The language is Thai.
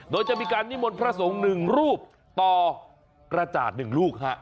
โดยจะมีการนิมนต์พระสงฆ์๑รูปต่อกระจาด๑ลูกฮะ